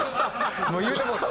もう言うてもうた。